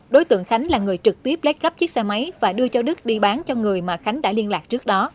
đối tượng khánh là người trực tiếp lấy cắp chiếc xe máy và đưa cho đức đi bán cho người mà khánh đã liên lạc trước đó